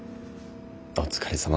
お疲れさま。